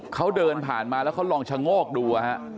เขาเดินผ่านมาแล้วเขาลองชะโงกดู